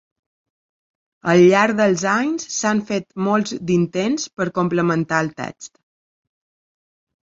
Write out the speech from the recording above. Al llarg dels anys s'han fet molts d'intents per complementar el text.